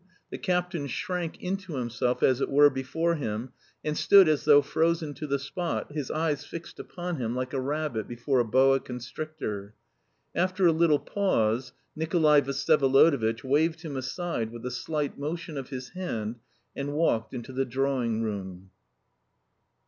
The captain shrank into himself, as it were, before him, and stood as though frozen to the spot, his eyes fixed upon him like a rabbit before a boa constrictor. After a little pause Nikolay Vsyevolodovitch waved him aside with a slight motion of his hand, and walked into the drawing room.